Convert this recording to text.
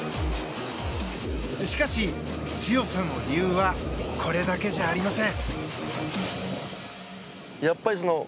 しかし、強さの理由はこれだけじゃありません。